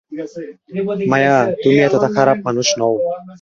মায়া, তুমি এতটা খারাপ মানুষ নও।